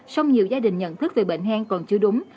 song nhiều gia đình nhận thức về bệnh hen còn chưa đúng